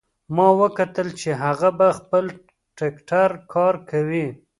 ما وکتل چې هغه په خپل ټکټر کار کوي